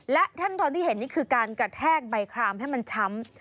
และขั้นตอนที่เห็นนี่คือการกระแทกใบครามให้มันช้ำ